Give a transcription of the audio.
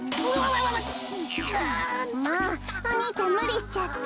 もうお兄ちゃんむりしちゃって。